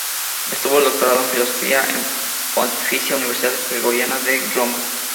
Obtuvo el doctorado en Filosofía en la Pontificia Universidad Gregoriana de Roma.